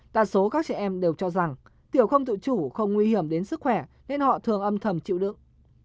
đa số các trẻ em đều cho rằng tiểu không tự chủ không nguy hiểm đến sức khỏe nên họ thường âm thầm chịu đựng